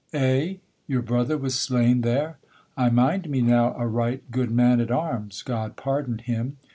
Eh? Your brother was slain there? I mind me now, A right good man at arms, God pardon him!